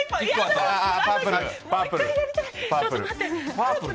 パープル。